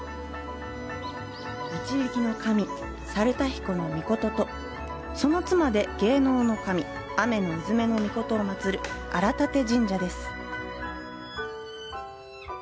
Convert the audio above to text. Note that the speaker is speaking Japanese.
導きの神、猿田彦命とその妻で芸能の神、天鈿女命を祭る荒立神社です。